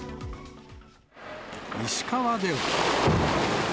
石川では。